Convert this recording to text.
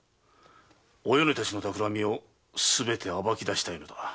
お米たちの企みをすべて暴きだしたいのだ。